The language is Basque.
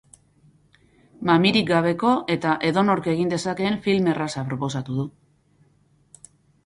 Mamirik gabeko eta edonork egin dezakeen film erraza proposatu du.